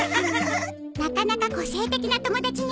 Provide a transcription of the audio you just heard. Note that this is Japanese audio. なかなか個性的な友達ね。